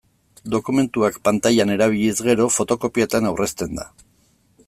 Dokumentuak pantailan erabiliz gero, fotokopietan aurrezten da.